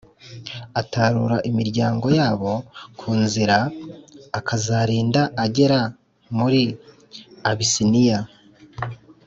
atarura imiryango yabo kunzira akazarinda agera muri abisiniya: